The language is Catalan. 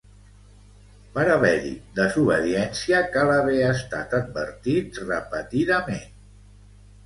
Per haver-hi desobediència, cal haver estat advertit repetidament.